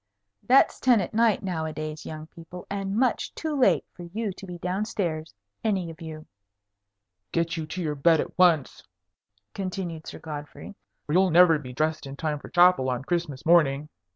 (That's ten at night nowadays, young people, and much too late for you to be down stairs, any of you.) "Get to your bed at once," continued Sir Godfrey, "or you'll never be dressed in time for Chapel on Christmas morning."